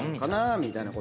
みたいな。